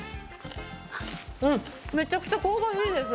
めちゃくちゃ香ばしいです。